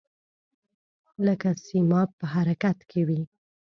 لکه سیماب په حرکت کې وي.